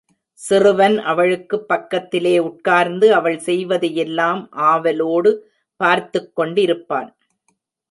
சிறுவன் அவளுக்குப் பக்கத்திலே உட்கார்ந்து அவள் செய்வதையெல்லாம் ஆவலோடு பார்த்துக் கொண்டிருப்பான்.